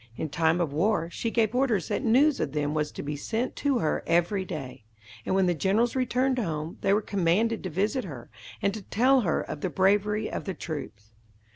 In time of war, she gave orders that news of them was to be sent to her every day, and when the generals returned home, they were commanded to visit her, and to tell her of the bravery of the troops.